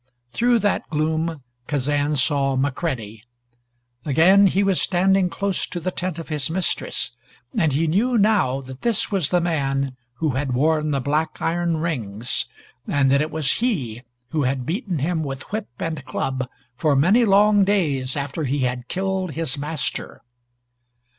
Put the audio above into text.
Through that gloom Kazan saw McCready. Again he was standing close to the tent of his mistress, and he knew now that this was the man who had worn the black iron rings, and that it was he who had beaten him with whip and club for many long days after he had killed his master.